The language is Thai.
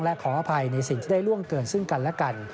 และขออภัยในสิ่งที่ได้ล่วงเกินซึ่งกันและกัน